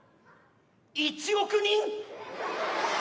１億人！？